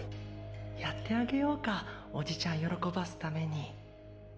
・やってあげようかおじちゃん喜ばすために。